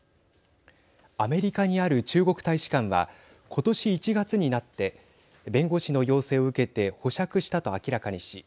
アメリカにある中国大使館はことし１月になって弁護士の要請を受けて保釈したと明らかにし